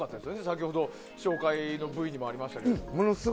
先ほど紹介のＶＴＲでもありましたが。